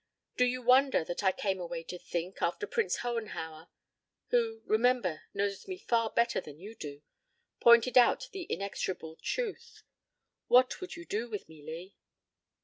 Do you wonder that I came away to think, after Prince Hohenhauer who, remember, knows me far better than you do pointed out the inexorable truth? What would you do with me, Lee?"